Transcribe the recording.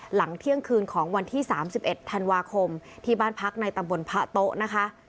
หลังเที่ยงคืนของวันที่๓๑ธันวาคมที่บ้านพักในตำบลพระโต๊ะนะคะ